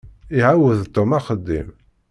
Iɛawed Tom axeddim.